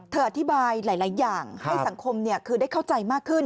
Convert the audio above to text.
อธิบายหลายอย่างให้สังคมคือได้เข้าใจมากขึ้น